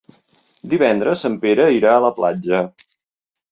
Divendres en Pere irà a la platja.